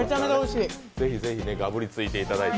是非是非がぶりついていただいて。